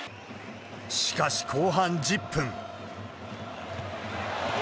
しかし後半１０分。